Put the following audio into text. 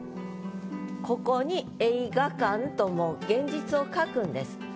ここに「映画館」ともう現実を書くんです。